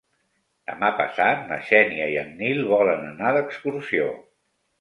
Demà passat na Xènia i en Nil volen anar d'excursió.